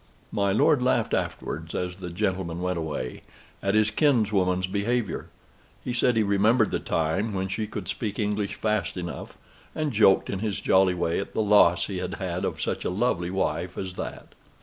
My lord laughed afterwards, as the gentlemen went away, at his kinswoman's behavior. He said he remembered the time when she could speak English fast enough, and joked in his jolly way at the loss he had had of such a lovely wife as that.